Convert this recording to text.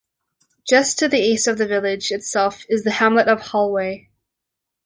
Just to the east of the village itself is the hamlet of Holway.